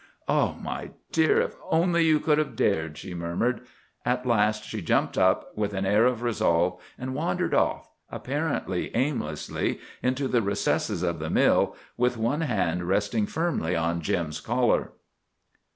"Oh, my dear, if only you could have dared," she murmured. At last she jumped up, with an air of resolve, and wandered off, apparently aimlessly, into the recesses of the mill, with one hand resting firmly on Jim's collar.